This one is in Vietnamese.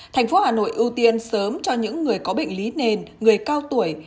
thành phố hà nội ưu tiên sớm cho những người có bệnh lý nền người cao tuổi